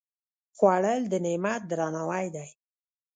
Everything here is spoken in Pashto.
خوړل د نعمت درناوی دی